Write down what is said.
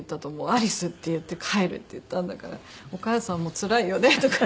「“アリス”って言って“帰る”って言ったんだからお母さんもつらいよね」とか。